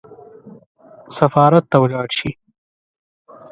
سفارت ته ولاړ شي.